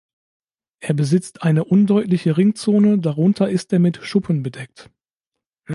Er besitzt eine undeutliche Ringzone, darunter ist er mit Schuppen bedeckt.